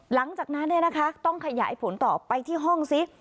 หลังจากนั้นต้องขยายผลต่อไปที่ห้องซิ